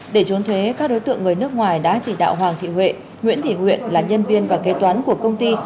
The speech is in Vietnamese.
để trốn thuế các đối tượng người nước ngoài đã chỉ đạo hoàng thị huệ nguyễn thị nguyện là nhân viên và kế toán của công ty